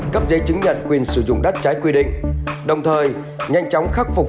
cấp giấy chứng nhận quyền sử dụng đất trái quy định đồng thời nhanh chóng khắc phục